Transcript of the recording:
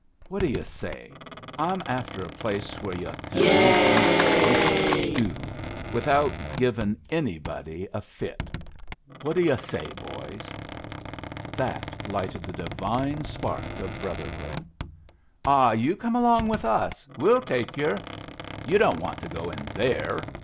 What do yu' say! I'm after a place where yu' can mention oyster stoo without givin' anybody a fit. What do yu' say, boys?" That lighted the divine spark of brotherhood! "Ah, you come along with us we'll take yer! You don't want to go in there.